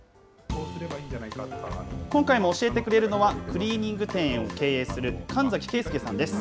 今回も教えてくれるのは、クリーニング店を経営する、神崎健輔さんです。